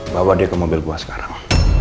bawa dia ke mobil buah sekarang